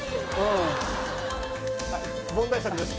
問題作です